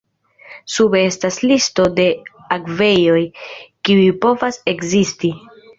Sube estas listo de akvejoj, kiuj povas ekzisti.